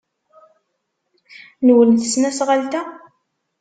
Nwen tesnasɣalt-a?